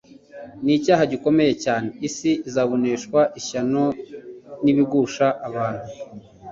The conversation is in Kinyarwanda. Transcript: ni icyaha gikomeye cyane. « Isi izaboneshwa ishyano n'ibigusha abantu !